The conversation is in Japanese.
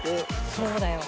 そうだよ。